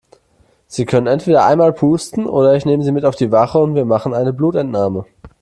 Sie können entweder einmal pusten oder ich nehme Sie mit auf die Wache und wir machen eine Blutentnahme.